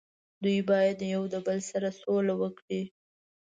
دوي باید یو د بل سره سوله وکړي